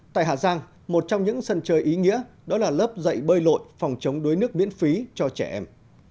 tại hà giang một trong những sân chơi ý nghĩa đó là lớp dạy bơi lội phòng chống đuối nước miễn phí cho trẻ em